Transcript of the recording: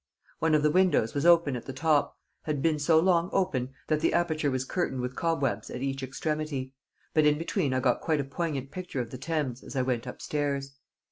One of the windows was open at the top, had been so long open that the aperture was curtained with cobwebs at each extremity, but in between I got quite a poignant picture of the Thames as I went upstairs.